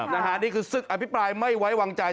นี่คือศึกอภิปรายไม่ไว้วางใจ